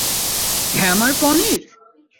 হ্যাঁম আর পনির!